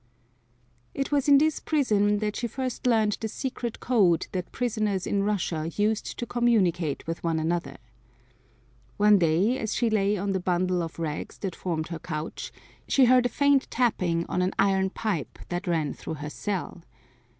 It was in this prison that she first learned the secret code that prisoners in Russia used to communicate with one another. One day, as she lay on the bundle of rags that formed her couch, she heard a faint tapping on an iron pipe that ran through her cell.